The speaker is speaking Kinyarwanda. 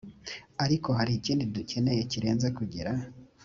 ariko hari ikindi dukeneye kirenze kugira